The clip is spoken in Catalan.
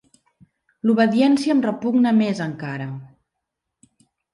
L'obediència em repugna més encara.